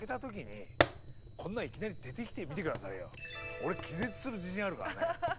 俺気絶する自信あるからね。